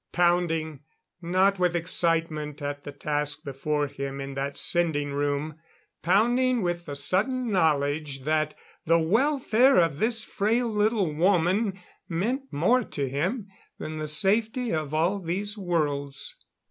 Pounding, not with excitement at the task before him in that sending room; pounding with the sudden knowledge that the welfare of this frail little woman meant more to him than the safety of all these worlds.